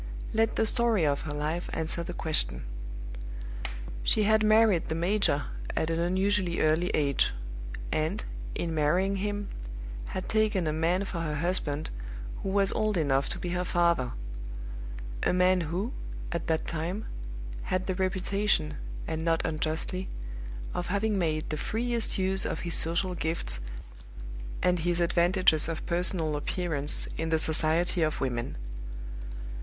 Let the story of her life answer the question. She had married the major at an unusually early age; and, in marrying him, had taken a man for her husband who was old enough to be her father a man who, at that time, had the reputation, and not unjustly, of having made the freest use of his social gifts and his advantages of personal appearance in the society of women.